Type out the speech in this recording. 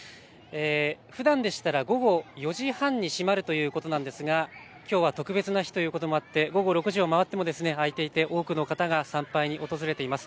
ふだんでしたら午後４時半に閉まるということなんですがきょうは特別な日ということもあって午後６時を回っても開いていて多くの方が参拝に訪れています。